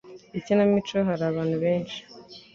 Ikinamico hari abantu benshi.